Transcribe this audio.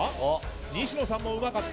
西野さんもうまかった。